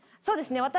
そうですね